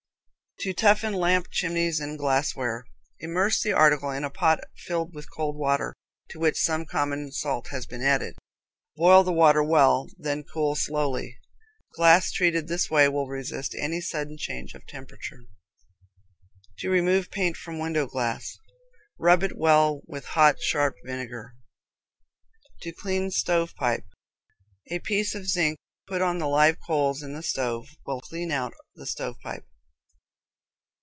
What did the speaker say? To Toughen Lamp Chimneys and Glassware. Immerse the article in a pot filled with cold water, to which some common salt has been added. Boil the water well, then cool slowly. Glass treated in this way will resist any sudden change of temperature. To Remove Paint from Window Glass. Rub it well with hot, sharp vinegar. To Clean Stovepipe. A piece of zinc put on the live coals in the stove will clean out the stovepipe.